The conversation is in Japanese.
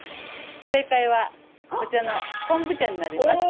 正解はこちらの昆布茶になります。